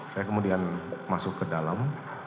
saya kemudian masuk ke dalam